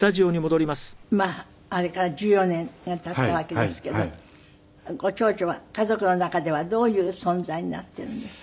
まああれから１４年が経ったわけですけどご長女は家族の中ではどういう存在になっているんですか？